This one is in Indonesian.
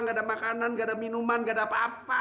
nggak ada makanan nggak ada minuman nggak ada apa apa